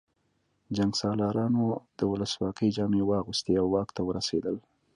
جنګسالارانو د ولسواکۍ جامې واغوستې او واک ته ورسېدل